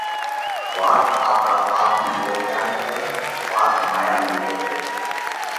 وات آپرا آپ نئہ اوۯکيا رئِي سئہ! وات مايا مِلڳت رئِي سئہ!